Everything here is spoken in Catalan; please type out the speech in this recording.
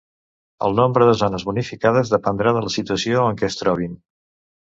El nombre de zones bonificades dependrà de la situació en què es trobin.